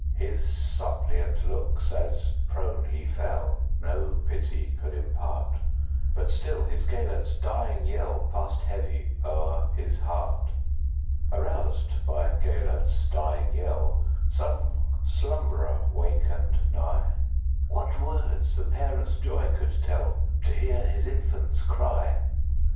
His suppliant looks, as prone he fell, No pity could impart; But still his Gêlert's dying yellPassed heavy o'er his heart. Aroused by Gêlert's dying yell, Some slumberer wakened nigh:What words the parent's joy could tellTo hear his infant's cry!